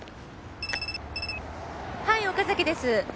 はい岡崎です。